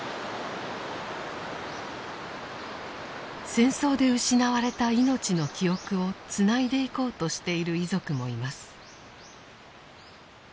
戦争で失われた命の記憶をつないでいこうとしている遺族もいます。